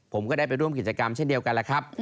ผมก็ได้ไปร่วมกิจกรรมเช่นเดียวกันแล้วครับ